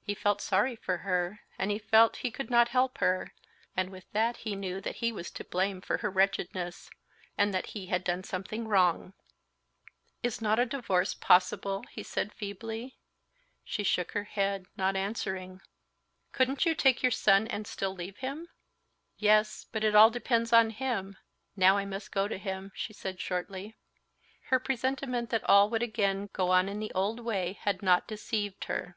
He felt sorry for her, and he felt he could not help her, and with that he knew that he was to blame for her wretchedness, and that he had done something wrong. "Is not a divorce possible?" he said feebly. She shook her head, not answering. "Couldn't you take your son, and still leave him?" "Yes; but it all depends on him. Now I must go to him," she said shortly. Her presentiment that all would again go on in the old way had not deceived her.